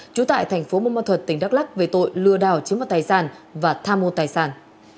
trú tại thành phố mông môn thuật tỉnh đắk lắc về tội lừa đảo chứng mật tài sản và tham mô tài sản